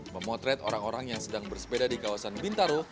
memotret orang orang yang sedang bersepeda di kawasan bintaro